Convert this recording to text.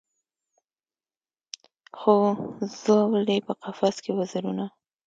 خو ځول یې په قفس کي وزرونه